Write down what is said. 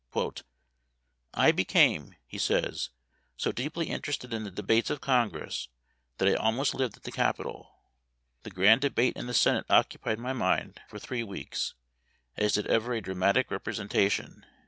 " I became," he says, " so deeply interested in the debates of Congress that I almost lived at the Capitol. The grand debate in the Senate occupied my mind for three weeks as did ever a dramatic representation.